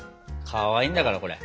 かわいいんだからこれ！